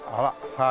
さあ